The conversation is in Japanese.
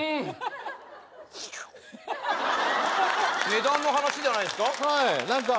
値段の話じゃないですか？